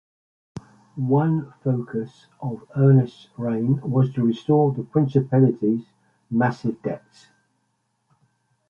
One focus of Ernest's reign was to restore the principality's massive debts.